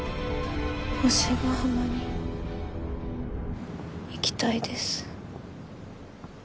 星ヶ浜に行きたいです。